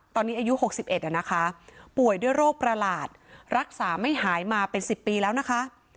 ตอนนี้อายุ๖๑นะคะป่วยด้วยโรคประหลาดรักษาไม่หายมาเป็น๑๐ปีแล้วนะคะ